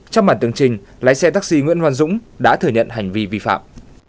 trong bản tường trình lái xe taxi nguyễn văn dũng đã thừa nhận hành vi vi phạm